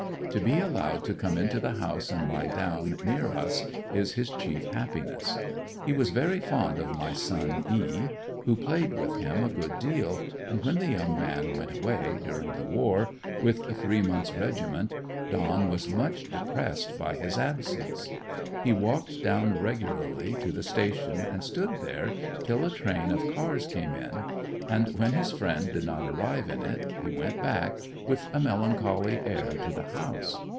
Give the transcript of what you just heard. To be allowed to come into the house and lie down near us is his chief happiness. He was very fond of my son E , who played with him a good deal, and when the young man went away, during the war, with a three months' regiment, Don was much depressed by his absence. He walked down regularly to the station, and stood there till a train of cars came in; and when his friend did not arrive in it, he went back, with a melancholy air, to the house.